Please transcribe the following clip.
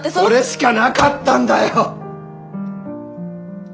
これしかなかったんだよ！